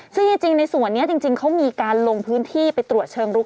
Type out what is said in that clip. ซึ่งจริงในส่วนนี้จริงเขามีการลงพื้นที่ไปตรวจเชิงลุก